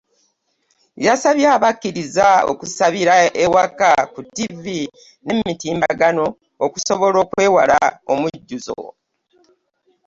Yasabye abakkiriza okusabira ewaka ku ttivvi n’emitimbagano okusobola okwewala omujjuzo